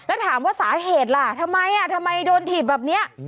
แล้วถามว่าสาเหตุล่ะทำไมทำไมโดนถีบแบบนี้